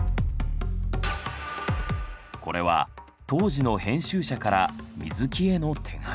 これは当時の編集者から水木への手紙。